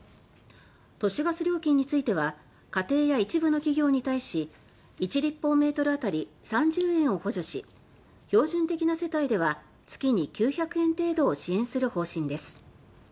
都市ガス料金については家庭や一部の企業に対し１立方メートルあたり３０円を補助し標準的な世帯では月に９００円程度を支援する方針です。